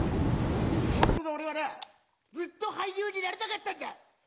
本当の俺はなずっと俳優になりたかったんだ！